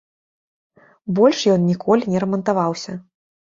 Больш ён ніколі не рамантаваўся.